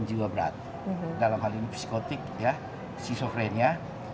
gengguan jiwa berat dalam hal ini psikotik ya si sofrenia